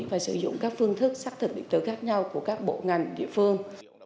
và sử dụng các phương thức xác thực điện tử khác nhau của các bộ ngành địa phương